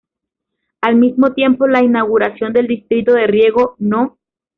Al mismo tiempo, la inauguración del distrito de riego no.